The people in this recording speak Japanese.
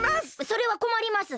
それはこまります！